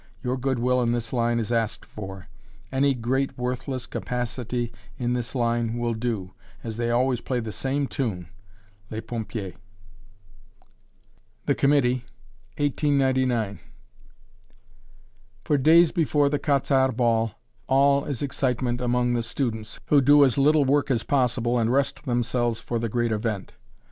Your good will in this line is asked for any great worthless capacity in this line will do, as they always play the same tune, "Les Pompiers!" THE COMMITTEE 1899. For days before the "Quat'z' Arts" ball, all is excitement among the students, who do as little work as possible and rest themselves for the great event.